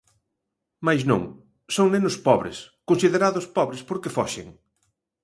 Máis non, son nenos pobres, considerados pobres porque foxen.